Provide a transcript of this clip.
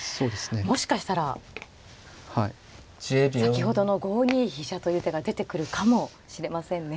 もしかしたら先ほどの５二飛車という手が出てくるかもしれませんね。